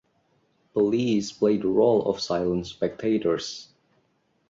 Police play the role of silent spectators.